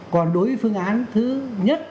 còn đối với phương án thứ nhất